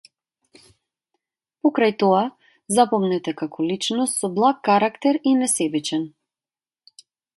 Покрај тоа, запомнет е како личност со благ карактер и несебичен.